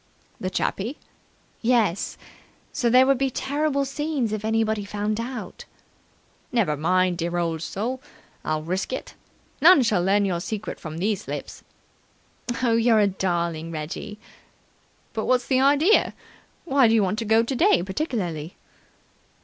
"The chappie?" "Yes. So there would be terrible scenes if anybody found out." "Never mind, dear old soul. I'll risk it. None shall learn your secret from these lips." "You're a darling, Reggie." "But what's the idea? Why do you want to go today particularly?"